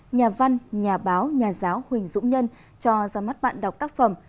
nhà văn nhà báo nhà giáo huỳnh dũng nhân cho ra mắt bạn đọc tác phẩm